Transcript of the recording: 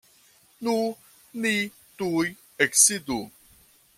Nu, ni tuj eksidu.